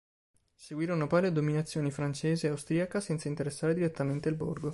Seguirono poi le dominazioni francese e austriaca senza interessare direttamente il borgo.